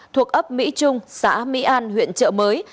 thuộc ấp mỹ trung xã mỹ an huyện trợ mới